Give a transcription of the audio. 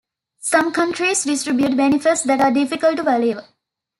Some countries distribute benefits that are difficult to value.